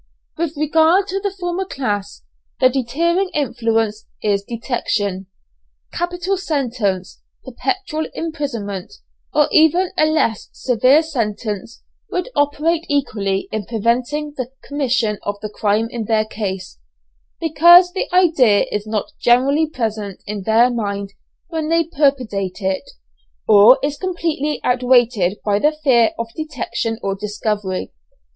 With regard to the former class, the deterring influence is detection. Capital sentence, perpetual imprisonment, or even a less severe sentence would operate equally in preventing the commission of the crime in their case, because the idea is not generally present in their mind when they premeditate it, or is completely outweighed by the fear of detection or discovery.